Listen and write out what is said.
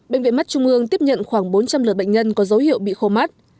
bệnh viện mắt trung ương tiếp nhận khoảng bốn trăm linh lượt bệnh nhân có dấu hiệu bị khô mắt